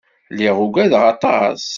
Lliɣ uggadeɣ aṭas.